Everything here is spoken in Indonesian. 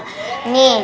nih denger pantun aku